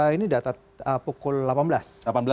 ini data pukul delapan belas